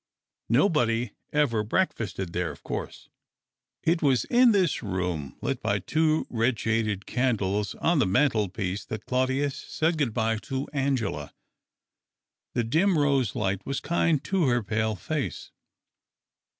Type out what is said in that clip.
Nobody ever breakfasted there, of course. THE OCTAVE OF CLAUDIUS. 305 It was in this room, lit by two red shaded candles on the mantelpiece, that Claudius said good bye to Angela. The dim rose light was kind to her pale face.